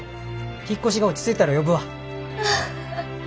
引っ越しが落ち着いたら呼ぶわ。